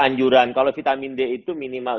anjuran kalau vitamin d itu minimal